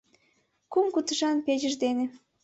Кум кутышан печыж дене